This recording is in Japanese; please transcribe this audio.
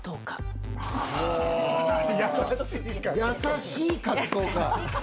優しい格闘家。